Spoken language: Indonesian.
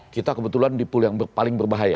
kita kebetulan di pool yang paling berbahaya